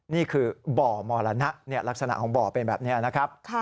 นี่คือบ่อมรณะลักษณะของบ่อเป็นแบบนี้นะครับ